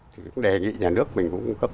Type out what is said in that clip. thì cũng đề nghị nhà nước mình cũng cung cấp